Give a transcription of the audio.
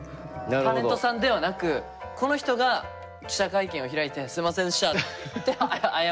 タレントさんではなくこの人が記者会見を開いてすみませんでしたって謝ります。